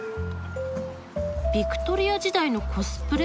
ビクトリア時代のコスプレ？